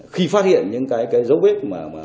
khi phát hiện những cái dấu vết